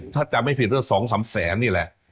ถ้าจำไม่ผิดก็๒๓แสนนี่แหละ